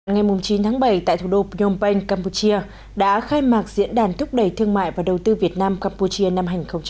ngày chín tháng bảy tại thủ đô phnom penh campuchia đã khai mạc diễn đàn thúc đẩy thương mại và đầu tư việt nam campuchia năm hai nghìn một mươi chín